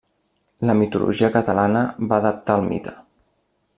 La mitologia catalana va adaptar el mite.